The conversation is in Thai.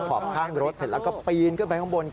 ขอบข้างรถเสร็จแล้วก็ปีนขึ้นไปข้างบน